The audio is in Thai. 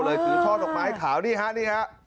เลยซื้อท่อดอกไม้ขาวนี่ครับนี่ครับ